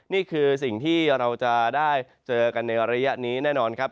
นี่คือสิ่งที่เราจะได้เจอกันในระยะนี้แน่นอนครับ